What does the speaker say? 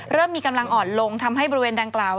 เริ่มมีกำลังอ่อนลงทำให้บริเวณดังกล่าว